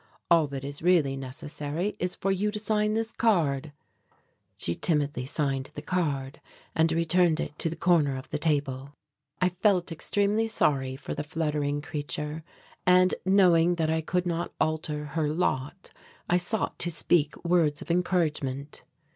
All that is really necessary is for you to sign this card." She timidly signed the card and returned it to the corner of the table. I felt extremely sorry for the fluttering creature; and, knowing that I could not alter her lot, I sought to speak words of encouragement.